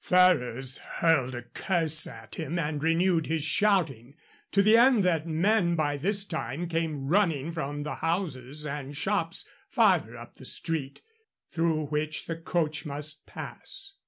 Ferrers hurled a curse at him and renewed his shouting, to the end that men by this time came running from the houses and shops farther up the street, through which the coach must pass.